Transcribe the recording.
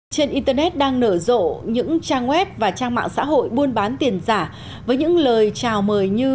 trên internet đang nở rộ những trang web và trang mạng xã hội buôn bán tiền giả với những lời chào mời như